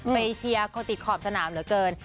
เชียร์คนติดขอบสนามเหลือเกิน